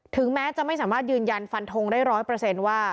แม้จะไม่สามารถยืนยันฟันทงได้ร้อยเปอร์เซ็นต์ว่า